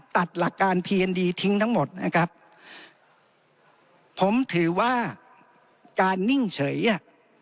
หลักการเพียนดีทิ้งทั้งหมดนะครับผมถือว่าการนิ่งเฉยอ่ะ